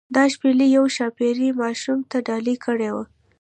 دا شپیلۍ یوې ښاپیرۍ ماشوم ته ډالۍ کړې وه.